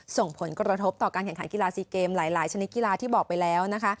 ส่งผลกระทบต่อการแข่งขันกีฬาซีเกมหลายชนิดกีฬาที่บอกไปแล้วนะคะ